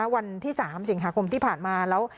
วันที่๓สิงหาคมที่ผ่านมาแล้ว